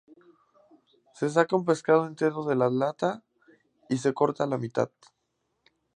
Se saca un pescado entero de la lata y se corta a la mitad.